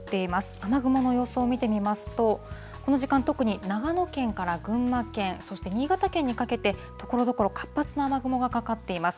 雨雲の様子を見てみますと、この時間、特に長野県から群馬県、そして新潟県にかけて、ところどころ活発な雨雲がかかっています。